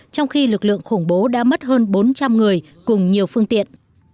trong khi lực lượng khủng bố đã mất hơn bốn trăm linh người cùng nhiều phương tiện